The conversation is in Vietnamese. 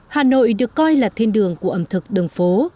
hà nội được coi là thiên đường của ẩm thực đường phố